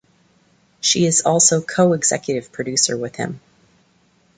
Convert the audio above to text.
She is also co-executive producer with him.